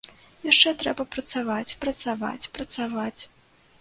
Яшчэ трэба працаваць, працаваць, працаваць.